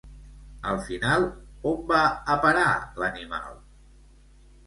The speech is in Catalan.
Al final, on va a parar l'animal?